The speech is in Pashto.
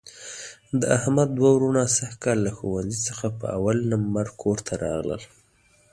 د احمد دوه وروڼه سږ کال له ښوونځي څخه په اول لمبر کورته راغلل.